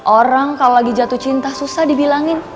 orang kalau lagi jatuh cinta susah dibilangin